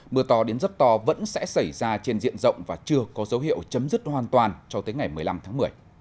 mưa to đến rất to vẫn sẽ xảy ra trên diện rộng và chưa có dấu hiệu chấm dứt hoàn toàn cho tới ngày một mươi năm tháng một mươi